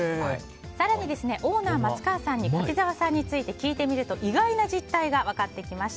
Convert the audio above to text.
更にオーナー、松川さんに柿澤さんについて聞いてみると意外な実態が分かってきました。